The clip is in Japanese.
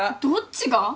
どっちが？